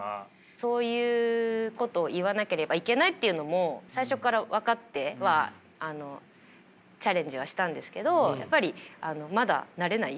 そういうことを言わなければいけないというのも最初から分かってはチャレンジはしたんですけどやっぱりまだ慣れない。